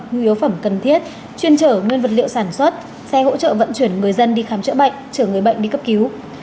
nguy hiếu phẩm cần thiết chuyên trở nguyên vật liệu sản xuất xe hỗ trợ vận chuyển người dân đi khám chữa bệnh trở người bệnh đi cấp cứu